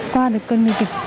qua được cơn nguy kịch